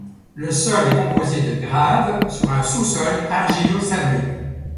Le sol est composé de graves sur un sous-sol argilo-sableux.